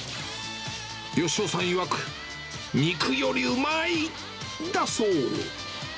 芳央さんいわく、肉よりうまい！だそう。